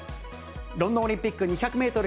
ロンドンオリンピック２００メートル